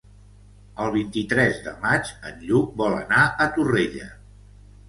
El vint-i-tres de maig en Lluc vol anar a Torrella.